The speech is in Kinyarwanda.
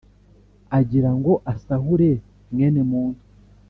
agira ngo asahure mwene muntu